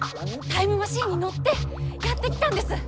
タイムマシンに乗ってやって来たんです。